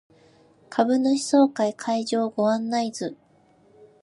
株主総会会場ご案内図